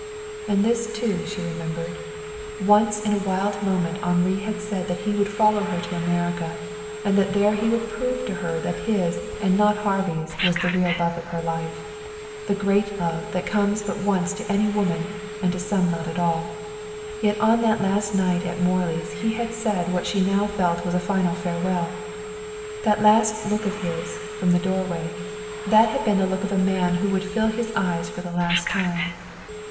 And this, too, she remembered: Once in a wild moment Henri had said he would follow her to America, and that there he would prove to her that his and not Harvey's was the real love of her life the great love, that comes but once to any woman, and to some not at all. Yet on that last night at Morley's he had said what she now felt was a final farewell. That last look of his, from the doorway that had been the look of a man who would fill his eyes for the last time.